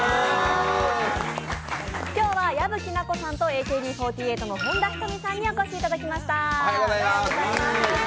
今日は矢吹奈子さんとＡＫＢ４８の本田仁美さんにお越しいただきました。